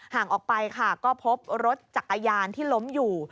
ห่างออกไปค่ะก็พบรถจักรยานที่ล้มอยู่